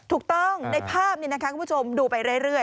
ถูกต้องในภาพนี้นะคะคุณผู้ชมดูไปเรื่อย